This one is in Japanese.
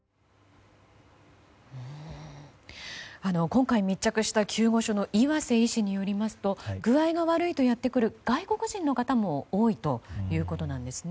今回、密着した救護所の岩瀬医師によりますと具合が悪いとやってくる外国人の方も多いということです。